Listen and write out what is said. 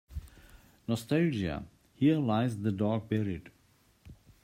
Nostalgia Here lies the dog buried.